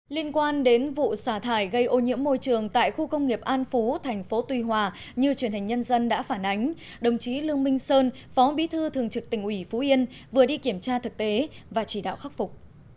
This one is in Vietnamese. liên quan đến vụ xả thải gây ô nhiễm môi trường tại khu công nghiệp an phú thành phố tuy hòa như truyền hình nhân dân đã phản ánh đồng chí lương minh sơn phó bí thư thường trực tỉnh ủy phú yên vừa đi kiểm tra thực tế và chỉ đạo khắc phục